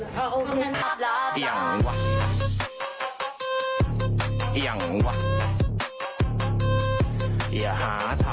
ขอบคุณค่ะ